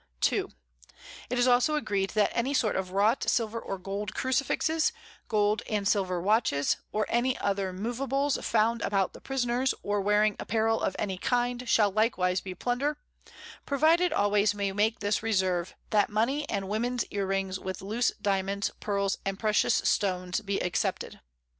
_ [Sidenote: Sailing towards Guiaquil.] 2. _It is also agreed, that any sort of wrought Silver or Gold Crucifixes, Gold and Silver Watches, or any other Movables found about the Prisoners, or wearing Apparel of any kind, shall likewise be Plunder: Provided always we make this Reserve, that Mony and Womens Ear Rings, with loose Diamonds, Pearls, and precious Stones be excepted.